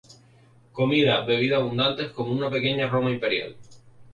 Comida, bebida abundantes, como en una pequeña Roma imperial.